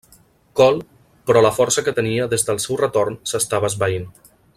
Cole, però la força que tenien des del seu retorn s'estava esvaint.